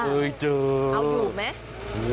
เคยเจอเอาอยู่ไหม